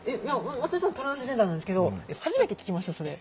私もトランスジェンダーなんですけど初めて聞きましたそれ。